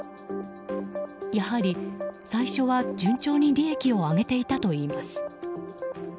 やはり、最初は順調に利益を上げていたといいます。